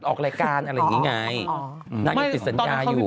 ออกรายการอะไรอย่างนี้ไงนางยังติดสัญญาอยู่